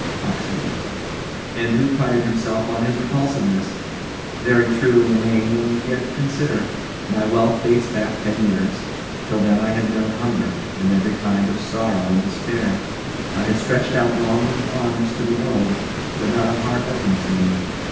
CROCKSTEAD. And who prided himself on his repulsiveness. Very true, in the main, and yet consider! My wealth dates back ten years; till then I had known hunger, and every kind of sorrow and despair. I had stretched out longing arms to the world, but not a heart opened to me.